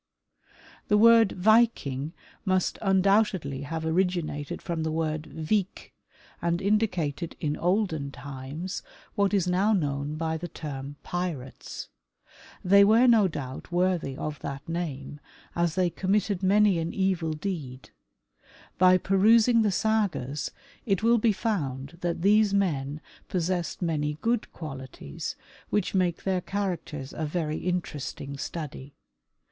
The word " Viking " must undoubtedly have originated from the word " vik," and indicated in olden times what is now known by the term pirates. They were no doubt worthy of that name, as they committed many an evil deed. By perusing the Sagas it will be found that these men possessed many good qualities, which make their characters a very interesting study.